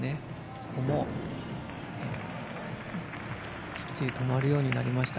そこもきっちり止まるようになりました。